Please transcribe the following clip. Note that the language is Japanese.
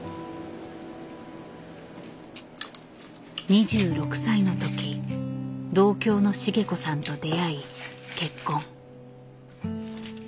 ２６歳の時同郷の繁子さんと出会い結婚。